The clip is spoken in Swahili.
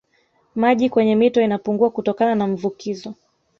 Maji kwenye mito inapungua kutokana na mvukizo